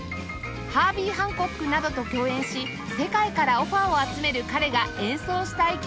ハービー・ハンコックなどと共演し世界からオファーを集める彼が演奏したい曲とは